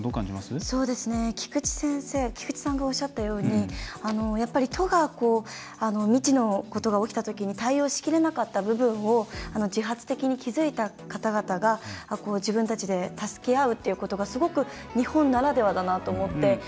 菊池さんがおっしゃったように都が未知のことが起きたときに対応しきれなかった部分を自発的に気付いた方々が自分たちで助け合うということがすごく日本ならではだなと思って。